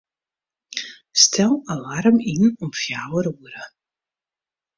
Stel alarm yn om fjouwer oere.